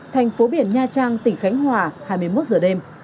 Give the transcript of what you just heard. thành phố biển nha trang tỉnh khánh hòa hai mươi một giờ đêm